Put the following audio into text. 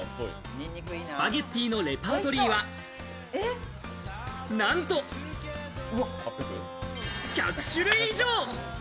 スパゲッティのレパートリーはなんと１００種類以上。